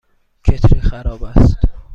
کتری خراب است.